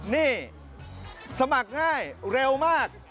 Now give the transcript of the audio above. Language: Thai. นี่สมัครง่ายเร็วมาก